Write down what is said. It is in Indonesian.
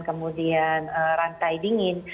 kemudian rantai dingin